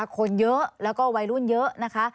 คนเยอะแล้วก็วัยรุ่นเยอะนะคะ